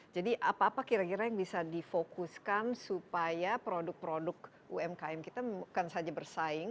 jadi apa apa kira kira yang bisa difokuskan supaya produk produk umkm kita bukan saja bersaing